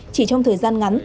chỉ trong thời gian ngắn